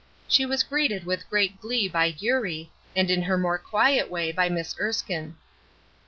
She was greeted with great glee by Eurie, and in her more quiet way by Miss Erskine.